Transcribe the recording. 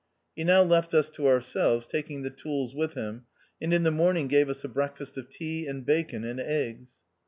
'" He now left us to ourselves, taking the tools with him, and in the morning gave us a breakfast of tea, and bacon, and eggs.